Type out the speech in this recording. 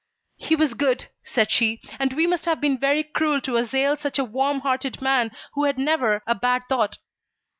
"He was good," said she, "and we must have been very cruel to assail such a warm hearted man who had never a bad thought."